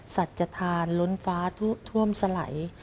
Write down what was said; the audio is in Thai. สัจทานล้นฟ้าทุท่วมสไหล